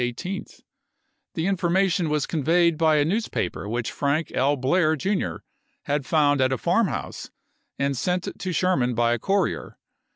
18th. The information was conveyed by a news juiy,i864. paper which Frank P. Blair, Jr., had found at a farmhouse and sent to Sherman by a courier.